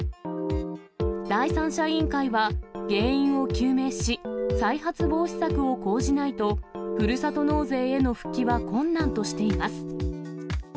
第三者委員会は、原因を究明し、再発防止策を講じないと、ふるさと納税への復帰は困難としています。